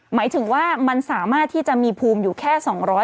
หมายถึงว่ามันสามารถที่จะมีภูมิอยู่แค่๒๐๐